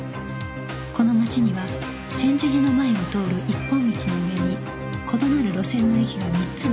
この町には専修寺の前を通る一本道の上に異なる路線の駅が３つもある